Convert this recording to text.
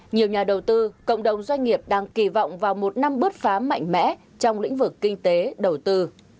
nhiều nhà đầu tư cộng đồng doanh nghiệp đang kỳ vọng vào một năm bứt phá mạnh mẽ trong lĩnh vực kinh tế đầu tư